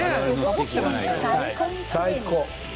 最高。